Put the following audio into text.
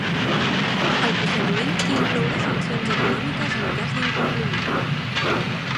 El procediment inclourà sancions econòmiques en cas d’incompliment.